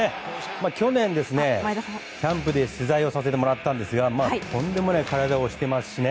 去年、キャンプで取材をさせてもらったんですがとんでもない体をしてますしね。